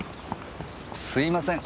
すいません。